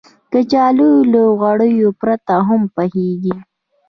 کچالو له غوړو پرته هم پخېږي